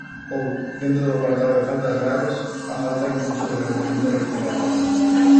Ou, dentro do apartado de faltas graves, a falta incluso de rendemento reiterado.